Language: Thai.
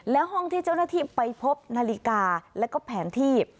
และห้องที่เจ้าหน้าที่ไปพบนาฬิกาแล้วก็แผนที่